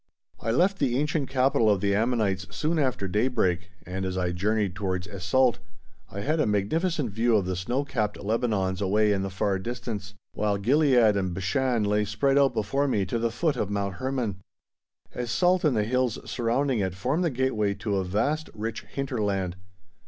I left the ancient capital of the Ammonites soon after daybreak and, as I journeyed towards Es Salt, I had a magnificent view of the snow capped Lebanons away in the far distance, while Gilead and Bashan lay spread out before me to the foot of Mount Hermon. Es Salt and the hills surrounding it form the gateway to a vast rich hinterland.